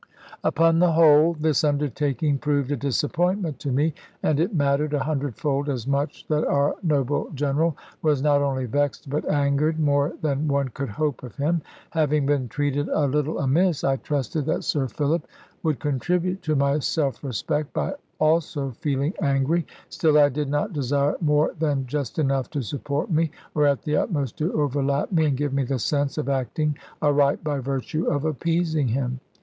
Upon the whole, this undertaking proved a disappointment to me. And it mattered a hundredfold as much that our noble General was not only vexed, but angered more than one could hope of him. Having been treated a little amiss, I trusted that Sir Philip would contribute to my self respect by also feeling angry. Still I did not desire more than just enough to support me, or at the utmost to overlap me, and give me the sense of acting aright by virtue of appeasing him.